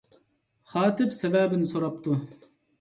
خاتىپ سەۋەبىنى سوراپتۇ.